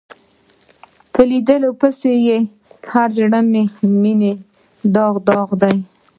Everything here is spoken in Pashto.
په لیدو پسې هر زړه منې داغ داغ دی